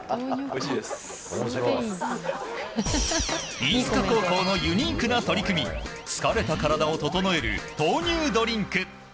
飯塚高校のユニークな取り組み疲れた体を整える豆乳ドリンク。